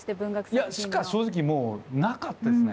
いやしか正直なかったですね。